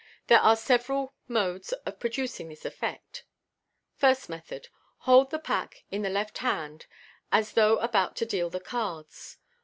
There are several modes of producing this effect First Method. — Hold the pack in the left hand, as though about to deal the cards.